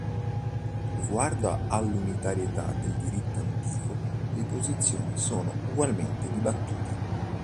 Riguardo all'unitarietà del diritto greco antico, le posizioni sono ugualmente dibattute.